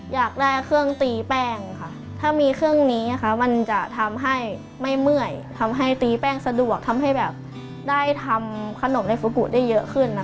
อยากได้เครื่องตีแป้งค่ะถ้ามีเครื่องนี้มันจะทำให้ไม่เมื่อยทำให้ตีแป้งสะดวกทำให้แบบได้ทำขนมในฟูกุได้เยอะขึ้นนะคะ